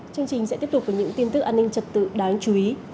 chương trình sẽ tiếp tục với những tin tức an ninh trật tự đáng chú ý